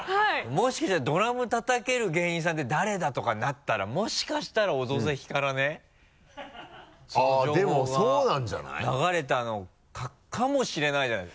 もしかしたら「ドラムたたける芸人さんって誰だ？」とかになったらもしかしたら「オドぜひ」からねその情報が流れたのかもしれないじゃない。